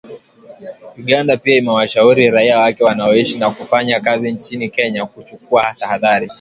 Uganda pia imewashauri raia wake wanaoishi na kufanya kazi nchini Kenya kuchukua tahadhari.